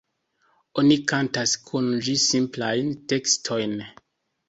Oni kantas kun ĝi simplajn tekstojn.